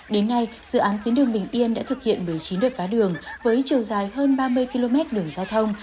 đến nay dự án tuyến đường bình yên đã thực hiện một mươi chín đợt vá đường với chiều dài hơn ba mươi km đường giao thông